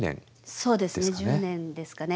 そうですね１０年ですかね。